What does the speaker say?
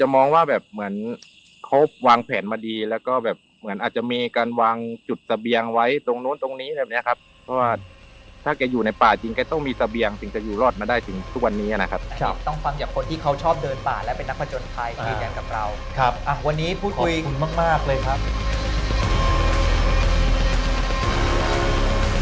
แต่มองว่าแบบเหมือนเขาวางแผนมาดีแล้วก็แบบเหมือนอาจจะมีการวางจุดเสบียงไว้ตรงนู้นตรงนี้แบบเนี้ยครับเพราะว่าถ้าแกอยู่ในป่าจริงแกต้องมีเสบียงถึงจะอยู่รอดมาได้ถึงทุกวันนี้นะครับครับต้องฟังจากคนที่เขาชอบเดินป่าและเป็นนักผจญภัยยืนยันกับเราครับอ่ะวันนี้พูดคุยมากมากเลยครับ